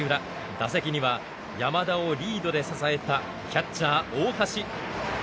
打席には山田をリードで支えたキャッチャー大橋。